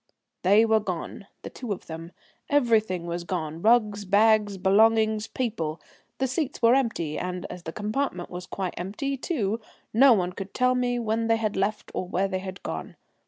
They were gone, the two of them. Everything was gone, rugs, bags, belongings, people. The seats were empty, and as the compartment was quite empty, too, no one could tell me when they had left or where they had gone.